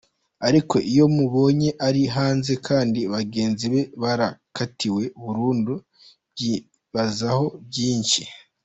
Ariko iyo mubonye ari hanze kandi bagenzi be barakatiwe burundu mbyibazaho byinshi.